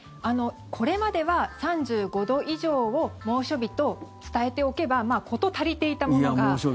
これまでは３５度以上を猛暑日と伝えておけば猛暑日です、はい。